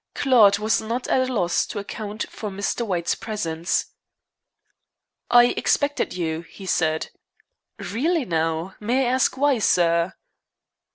Claude was not at a loss to account for Mr. White's presence. "I expected you," he said. "Really now, may I ask why, sir?"